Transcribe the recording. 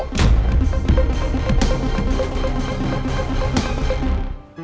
tidak tidak mau